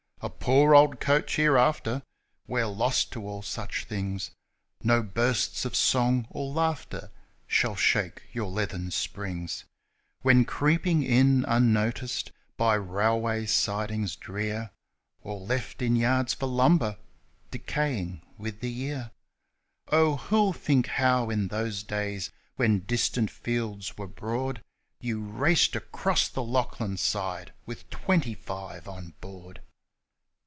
A poor old coach hereafter ! we're lost to all such things No bursts of songs or laughter shall shake your leathern springs When creeping in unnoticed by railway sidings drear, Or left in yards for lumber, decaying with the year Oh, who'll think how in those days when distant fields were broad You raced across the Lachlan side with twenty five on board.